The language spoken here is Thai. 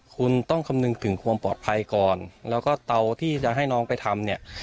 คุณต้องคำนึงถึงความปลอดภัยก่อนแล้วก็เตาที่จะให้น้องไปทำเนี่ย